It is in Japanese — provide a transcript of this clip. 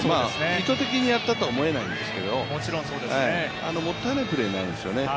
意図的にやったとは思えないんですけど、もったいないプレーになるんですよね。